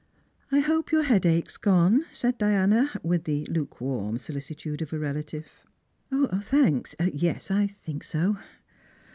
'* I hope your headache is gone," said Diana, with the lukewarm solicitude of a relative. "Thanks; yes, I think so."